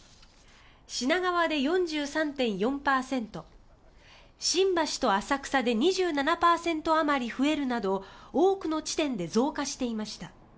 品川で４３．４％新橋と浅草で２７％あまり増えるなど多くの地点で増加していました。